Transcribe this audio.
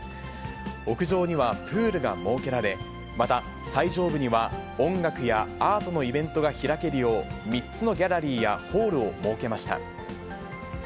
屋上にはプールが設けられ、また、最上部には音楽やアートのイベントが開けるよう、３つのギャラリーやホールを設けました。